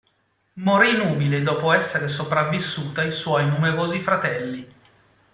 Morì nubile dopo essere sopravvissuta ai suoi numerosi fratelli.